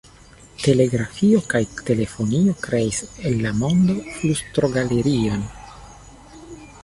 Telegrafio kaj telefonio kreis el la mondo flustrogalerion.